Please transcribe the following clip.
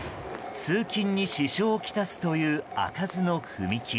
通勤に支障をきたすという開かずの踏切。